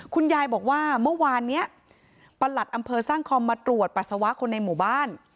คุณยายบอกว่าเมื่อวานนี้ประหลัดอำเภอสร้างคอมมาตรวจปัสสาวะคนในหมู่บ้าน